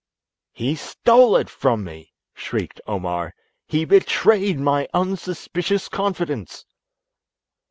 "He stole it from me," shrieked Omar; "he betrayed my unsuspicious confidence."